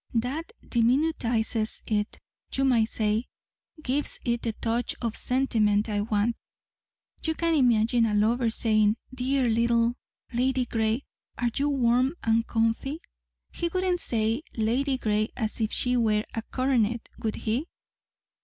"That diminutizes it, you might say gives it the touch of sentiment I want. You can imagine a lover saying 'Dear little _Lady_gray, are you warm and comfy?' He wouldn't say Ladygray as if she wore a coronet, would he?"